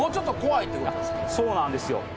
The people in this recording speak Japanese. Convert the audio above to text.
そうなんですよ。